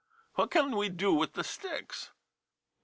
what can we do with the sticks